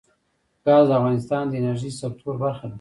ګاز د افغانستان د انرژۍ سکتور برخه ده.